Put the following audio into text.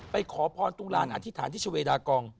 ไปขอพรตุงราญอธิษฐานที่เฉเวดากอง